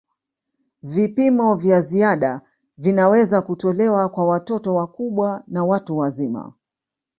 Vipimo vya ziada vinaweza kutolewa kwa watoto wakubwa na watu wazima.